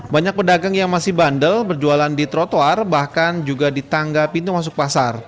banyak pedagang yang masih bandel berjualan di trotoar bahkan juga di tangga pintu masuk pasar